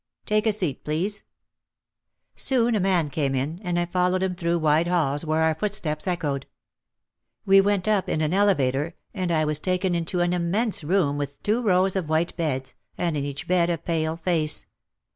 "Take a seat, please." Soon a man came and I followed him through wide halls where our footsteps echoed. We went up in an elevator and I was taken into an immense room with two rows of white beds and in each bed a pale face.